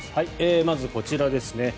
まずこちらですね。